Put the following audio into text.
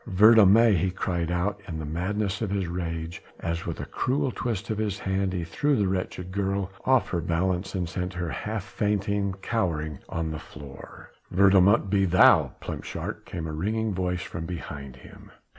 "Verdomme!" he cried out in the madness of his rage as with a cruel twist of his hand he threw the wretched girl off her balance and sent her half fainting, cowering on the floor. "Verdommt be thou, plepshurk," came in a ringing voice from behind him.